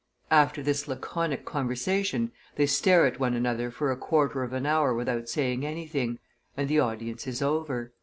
After this laconic conversation they stare at one another for a quarter of an hour without saying anything, and the audience is over."